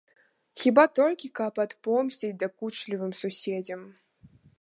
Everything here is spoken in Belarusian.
Хіба толькі, каб адпомсціць дакучлівым суседзям.